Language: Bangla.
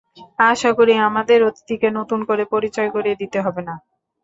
আশা করি, আমাদেরকে অতিথিকে নতুন করে পরিচয় করিয়ে দিতে হবে না।